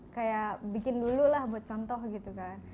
kayak bikin dulu lah buat contoh gitu kan